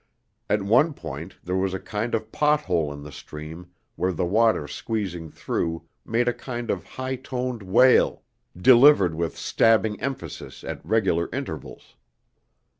At one point there was a kind of pot hole in the stream where the water squeezing through made a kind of high toned wail, delivered with stabbing emphasis at regular intervals.